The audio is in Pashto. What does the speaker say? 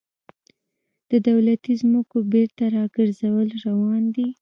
د دولتي ځمکو بیرته راګرځول روان دي